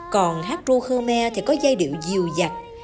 còn hát ru khmer thì có giai điệu dìu dạc